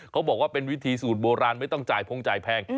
เขาบอกว่าเป็นวิธีสูตรโบราณไม่ต้องจ่ายพงจ่ายแพง